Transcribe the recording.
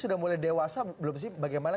sudah mulai dewasa belum sih bagaimana